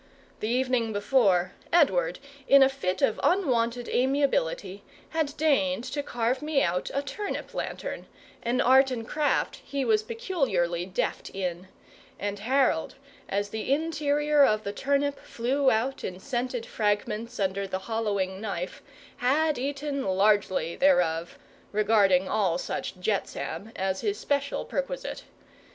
The evening before, Edward, in a fit of unwonted amiability, had deigned to carve me out a turnip lantern, an art and craft he was peculiarly deft in; and Harold, as the interior of the turnip flew out in scented fragments under the hollowing knife, had eaten largely thereof: regarding all such jetsam as his special perquisite.